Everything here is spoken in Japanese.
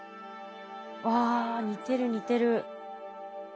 あ似てる似てる。